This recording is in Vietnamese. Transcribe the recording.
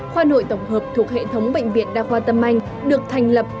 khoa nội tổng hợp thuộc hệ thống bệnh viện đa khoa tâm anh được thành lập